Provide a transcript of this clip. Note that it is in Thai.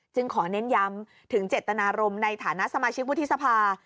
ขอเน้นย้ำถึงเจตนารมณ์ในฐานะสมาชิกวุฒิสภา